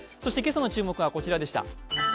今朝の注目はこちらでした。